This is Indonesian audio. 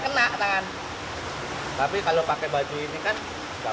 tiadang k albo menalikan parasit rhode island